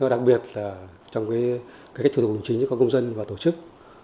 đặc biệt là trong các thủ tục hình chính cho các công dân và tổ chức